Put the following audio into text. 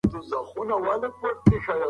ماشوم په سوې ساه خپل پلار ته غږ وکړ.